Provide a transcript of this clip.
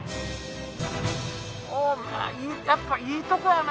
おぉまぁやっぱいいとこやな。